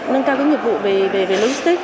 nâng cao những nhiệm vụ về logistic